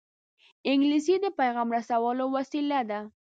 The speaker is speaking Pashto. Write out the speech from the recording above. انګلیسي د پېغام رسولو وسیله ده